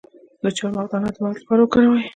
د چارمغز دانه د مغز لپاره وکاروئ